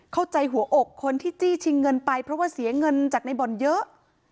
เข้าใจหัวอกคนที่จี้ชิงเงินไปเพราะว่าเสียเงินจากในบ่อนเยอะ